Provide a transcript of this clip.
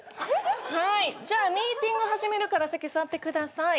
はいじゃあミーティング始めるから席座ってください。